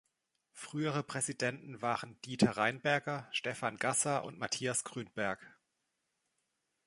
Frühere Präsidenten waren Dieter Rheinberger, Stefan Gasser und Matthias Grünberg.